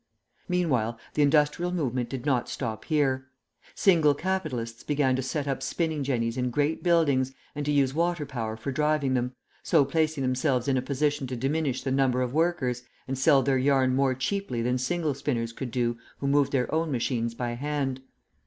Meanwhile, the industrial movement did not stop here. Single capitalists began to set up spinning jennies in great buildings and to use water power for driving them, so placing themselves in a position to diminish the number of workers, and sell their yarn more cheaply than single spinners could do who moved their own machines by hand.